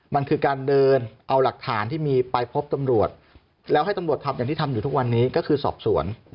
มันคือการเดินเอาหลักฐานที่มีไปพบตำรวจแล้วให้ตำรวจทำอย่างที่ทำอยู่ทุกวันนี้ก็คือสอบสวน